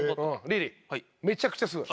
リリーめちゃくちゃすごい！